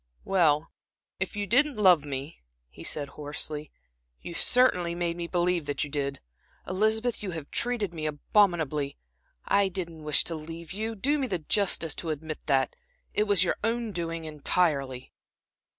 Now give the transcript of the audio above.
"Well, if you didn't love me," he said, hoarsely, "you certainly made me believe that you did. Elizabeth, you have treated me abominably. I didn't wish to leave you do me the justice to admit that it was your own doing entirely."